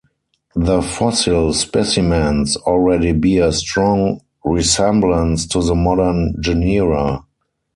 The fossil specimens already bear strong resemblance to the modern genera.